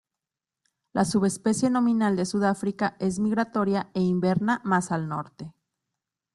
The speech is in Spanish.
La subespecie nominal de Sudáfrica es migratoria e inverna más al norte.